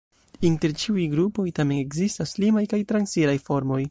Inter ĉiuj grupoj tamen ekzistas limaj kaj transiraj formoj.